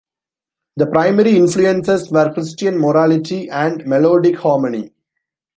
The primary influences were Christian morality and melodic harmony.